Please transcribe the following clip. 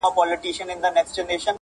سبا په تا ده، هيڅ خبره نه ده